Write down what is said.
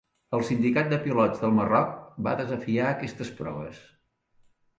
El sindicat de pilots del Marroc va desafiar aquestes proves.